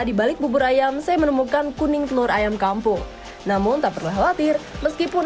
dibalik bubur ayam saya menemukan kuning telur ayam kampung namun tak perlu khawatir meskipun